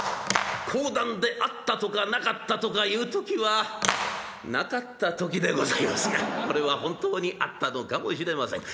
講談であったとかなかったとか言う時はなかった時でございますがこれは本当にあったのかもしれません。